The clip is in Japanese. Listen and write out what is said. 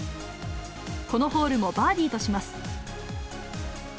このホールもバーディーとします。